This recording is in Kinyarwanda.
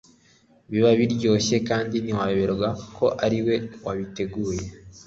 biba biryoshye kandi ntiwayoberwa ko ariwe wabiteguye